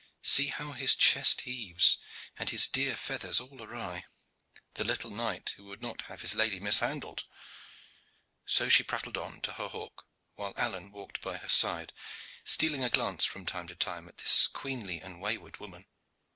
See how his chest heaves, and his dear feathers all awry the little knight who would not have his lady mishandled." So she prattled on to her hawk, while Alleyne walked by her side, stealing a glance from time to time at this queenly and wayward woman.